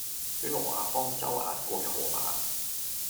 俾挪亞方舟壓過嘅河馬